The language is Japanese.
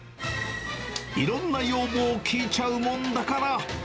いろんな要望を聞いちゃうもんだから。